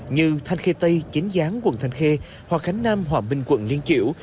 như thanh khê tây chính gián quận thanh khê hoa khánh nam hòa minh quận liên triệu